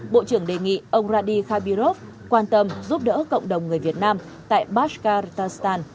bộ trưởng đề nghị ông vladi khabirov quan tâm giúp đỡ cộng đồng người việt nam tại bashkortostan